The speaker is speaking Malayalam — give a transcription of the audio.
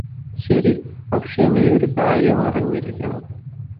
ശരി പക്ഷേ നീ ഒരു കാര്യം അറിഞ്ഞിരിക്കണം